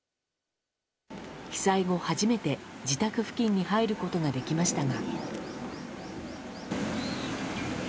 被災後初めて自宅付近に入ることができましたが。